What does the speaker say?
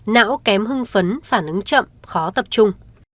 não kém hưng phấn phản ứng chậm khó tập trung